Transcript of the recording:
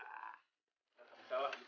oh boleh banget